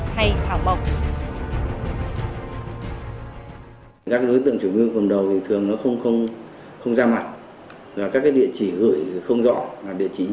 hay thảo mộc